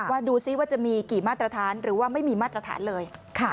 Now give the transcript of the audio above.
ดูซิว่าจะมีกี่มาตรฐานหรือว่าไม่มีมาตรฐานเลย